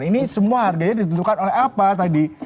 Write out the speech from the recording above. ini semua harganya ditentukan oleh apa tadi